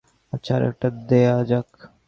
আচ্ছা, আরেকটা দেয়া যাক।